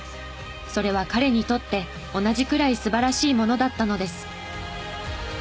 それは彼にとって同じくらい素晴らしいものだったのです。